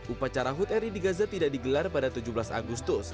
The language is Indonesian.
upacara hut eri di gaza tidak digelar pada tujuh belas agustus